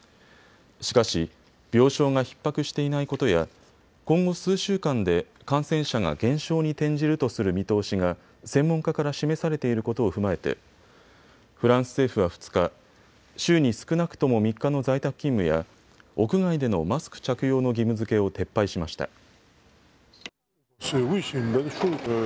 しかし、病床がひっ迫していないことや今後、数週間で感染者が減少に転じるとする見通しが専門家から示されていることを踏まえてフランス政府は２日、週に少なくとも３日の在宅勤務や屋外でのマスク着用の義務づけを撤廃しました。